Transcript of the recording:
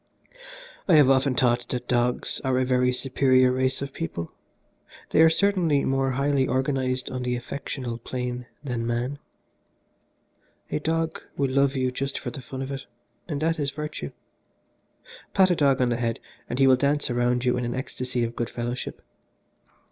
"I have often thought that dogs are a very superior race of people. They are certainly more highly organised on the affectional plane than man. A dog will love you just for the fun of it and that is virtue. Pat a dog on the head and he will dance around you in an ecstasy of good fellowship.